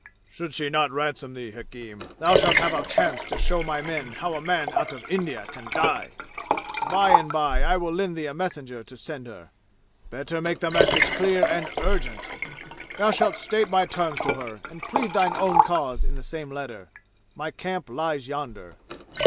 "Should she not ransom thee, hakim, thou shall have a chance to show my men how a man out of India can die! By and by I will lend thee a messenger to send to her. Better make the message clear and urgent! Thou shalt state my terms to her and plead thine own cause in the same letter. My camp lies yonder."